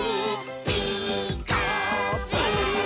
「ピーカーブ！」